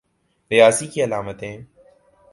ریاضی کی علامتیں